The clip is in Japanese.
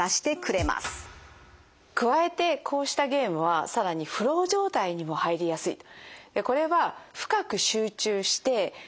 加えてこうしたゲームはさらにフロー状態にも入りやすいと。